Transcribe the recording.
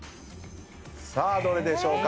さあどれでしょうか？